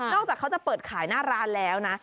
จากเขาจะเปิดขายหน้าร้านแล้วนะ